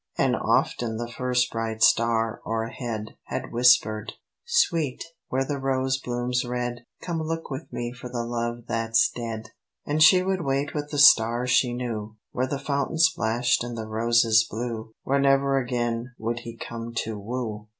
And often the first bright star o'erhead Had whispered, "Sweet, where the rose blooms red, Come look with me for the love that's dead." And she would wait with the star she knew, Where the fountain splashed and the roses blew, Where never again would he come to woo.